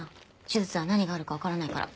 手術は何があるかわからないから。